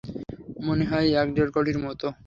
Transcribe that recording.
মনে হয় এক-দেড়কোটির মতো!